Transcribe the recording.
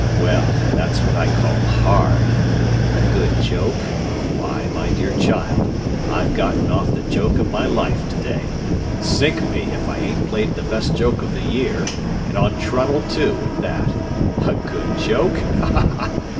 "Well, that's what I call hard. A good joke? Why, my dear child, I've gotten off the joke of my life to day. Sink me, if I ain't played the best joke of the year, and on Trunnell too, at that. A good joke? ha, ha, hah!"